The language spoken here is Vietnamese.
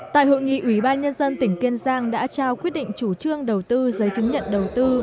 tại hội nghị ủy ban nhân dân tỉnh kiên giang đã trao quyết định chủ trương đầu tư giấy chứng nhận đầu tư